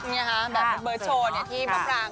แบบเบิร์ดโชว์ที่มาพราง